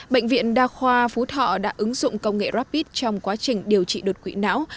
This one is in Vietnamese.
bệnh viện đa khoa phú thọ đã ứng dụng công nghệ rapid trong quá trình điều trị đột quỵ não